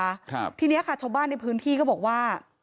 นะคะที่นี้ค่ะชมบ้านในพื้นที่ก็บอกว่า